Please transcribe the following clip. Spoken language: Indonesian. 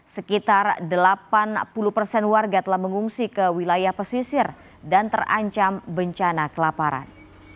sekitar delapan puluh persen warga telah mengungsi ke wilayah pesisir dan terancam bencana kelaparan